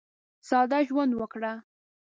ساده ژوند وکړه.